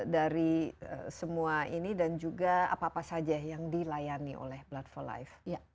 dari semua ini dan juga apa apa saja yang dilayani oleh blood for life